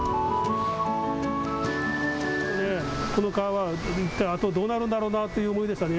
この川は一体あと、どうなるんだろうなという思いでしたね。